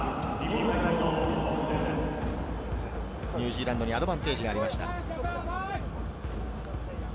ニュージーランドにアドバンテージがありました。